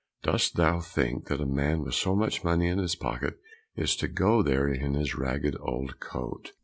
Dost thou think that a man with so much money in his pocket is to go there in his ragged old coat?"